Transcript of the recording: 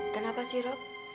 kenapa sih rob